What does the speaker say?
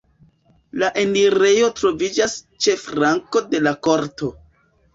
La enirejo troviĝas ĉe flanko de la korto.